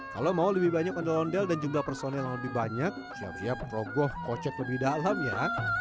kalau mau lebih banyak ondel ondel dan jumlah personel yang lebih banyak siap siap rogoh kocek lebih dalam ya